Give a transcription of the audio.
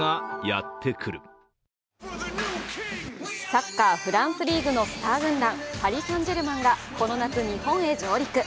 サッカー、フランスリーグのスター軍団パリ・サンジェルマンがこの夏、日本へ上陸。